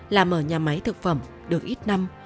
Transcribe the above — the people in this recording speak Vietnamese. làm ở nhà máy thực phẩm được ít năm